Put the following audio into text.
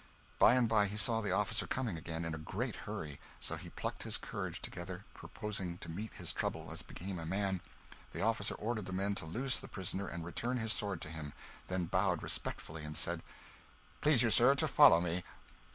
By and by he saw the officer coming again, in a great hurry; so he plucked his courage together, purposing to meet his trouble as became a man. The officer ordered the men to loose the prisoner and return his sword to him; then bowed respectfully, and said "Please you, sir, to follow me."